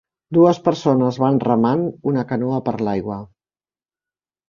Dues persones van remant una canoa per l'aigua.